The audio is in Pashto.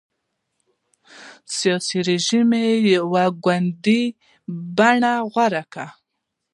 سیاسي رژیم یې یو ګوندي بڼه غوره کړه.